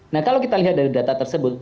nah kalau kita lihat dari data tersebut